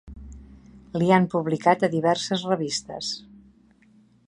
Li han publicat a diverses revistes.